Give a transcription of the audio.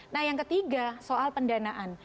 nah yang ketiga soal pendanaan